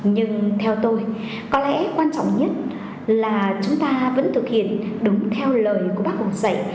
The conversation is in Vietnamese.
nhưng theo tôi có lẽ quan trọng nhất là chúng ta vẫn thực hiện đúng theo lời của bác hồ dạy